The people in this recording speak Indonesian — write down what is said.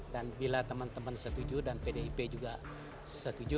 dan bila teman teman setuju dan pdip juga setuju